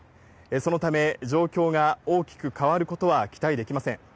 そのため、状況が大きく変わることは期待できません。